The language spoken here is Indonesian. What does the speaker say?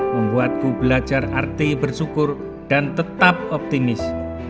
membuatku belajar arti bersyukur dan tetap optimis